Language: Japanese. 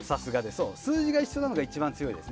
数字が一緒なのが一番強いです。